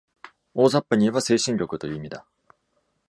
大ざっぱに言えば「精神力」という意味だ。